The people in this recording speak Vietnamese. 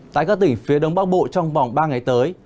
tại các tỉnh phía đông bắc bộ trong vòng ba ngày tới